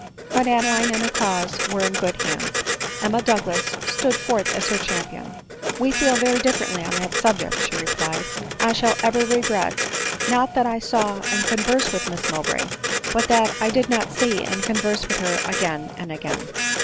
But Adeline and her cause were in good hands ; Em ma Douglas stood forth as her champion* " We feel very differently on that subject," she replied. "I shall ever regret, not that I saw and conversed with Miss Mow bray, but that I did not see and converse with her again and again."